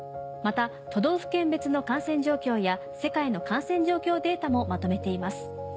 また都道府県別の感染状況や世界の感染状況データもまとめています。